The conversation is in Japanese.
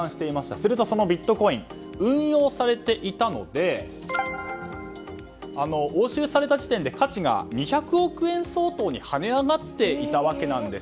すると、そのビットコイン運用されていたので押収された時点で価値が２００億円相当に跳ね上がっていたわけです。